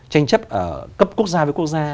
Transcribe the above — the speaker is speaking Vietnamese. tranh chấp ở cấp quốc gia với quốc gia